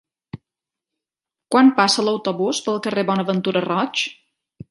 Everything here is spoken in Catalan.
Quan passa l'autobús pel carrer Bonaventura Roig?